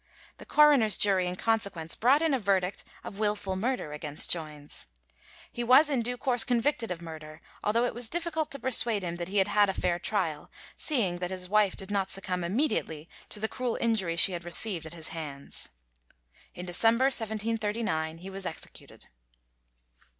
The coroner's jury in consequence brought in a verdict of wilful murder against Joines. He was in due course convicted of murder, although it was difficult to persuade him that he had had a fair trial, seeing that his wife did not succumb immediately to the cruel injury she had received at his hands. In December, 1739, he was executed.